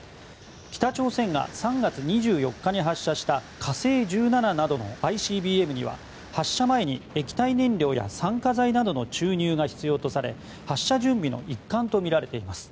北朝鮮が３月２４日に発射した「火星１７」などのＩＣＢＭには発射前に液体燃料や酸化剤などの注入が必要とされ発射準備の一環とみられています。